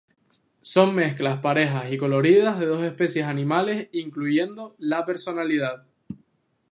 Son mezclas parejas y coloridas de dos especies animales, incluyendo la personalidad.